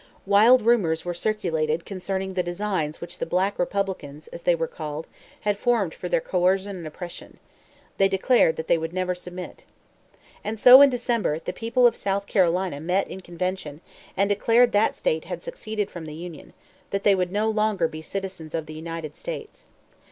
Wild rumors were circulated concerning the designs which the "Black Republicans," as they were called, had formed for their coercion and oppression. They declared that they would never submit. And so, in December, the people of South Carolina met in convention, and declared that that state had seceded from the Union that they would no longer be citizens of the United States.